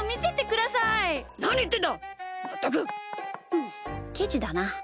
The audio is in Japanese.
ふんケチだな。